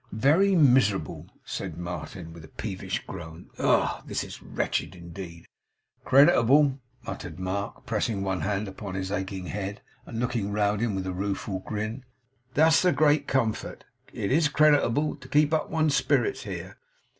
'Very miserable,' said Martin, with a peevish groan. 'Ugh. This is wretched, indeed!' 'Creditable,' muttered Mark, pressing one hand upon his aching head and looking round him with a rueful grin. 'That's the great comfort. It IS creditable to keep up one's spirits here.